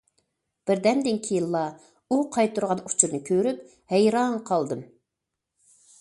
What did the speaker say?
بىردەمدىن كېيىنلا ئۇ قايتۇرغان ئۇچۇرنى كۆرۈپ ھەيران قالدىم.